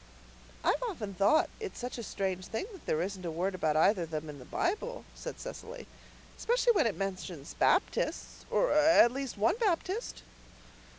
"I've often thought it such a strange thing that there isn't a word about either of them in the Bible," said Cecily. "Especially when it mentions Baptists or at least one Baptist."